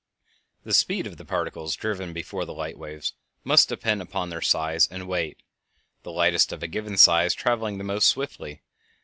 The speed of the particles driven before the light waves must depend upon their size and weight, the lightest of a given size traveling the most swiftly.